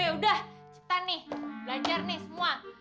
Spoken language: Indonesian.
udah cepetan nih belajar nih semua